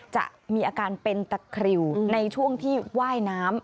จะมีอาการเป็นตะคริวในช่วงที่ว่ายน้ำ